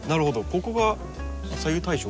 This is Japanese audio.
ここが左右対称？